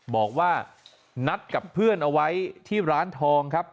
บอกว่านัดกับเพื่อนเอาไว้ที่ร้านทองครับ